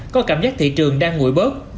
có cảm giác thị trường đang ngụy bớt